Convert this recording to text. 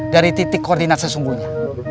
dari titik koordinat sesungguhnya